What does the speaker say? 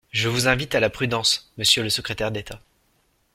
Je vous invite à la prudence, monsieur le secrétaire d’État.